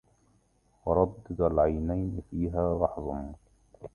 وردِّد العينين فيها لحظا